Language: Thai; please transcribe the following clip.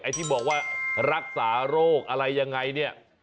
ที่บอกว่ารักษาโรคอะไรยังไงเนี่ย